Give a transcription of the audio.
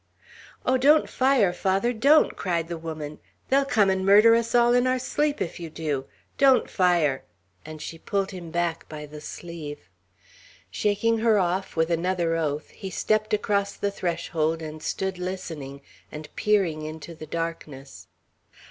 "Oh, don't fire, father, don't." cried the woman. "They'll come and murder us all in our sleep if you do! Don't fire!" and she pulled him back by the sleeve. Shaking her off, with another oath, he stepped across the threshold, and stood listening, and peering into the darkness.